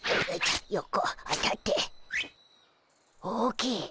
大きい。